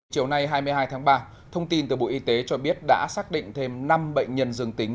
chiều nay hai mươi hai tháng ba thông tin từ bộ y tế cho biết đã xác định thêm năm bệnh nhân dương tính